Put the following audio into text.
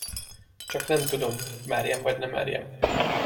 Csak nem tudom, merjem vagy ne merjem!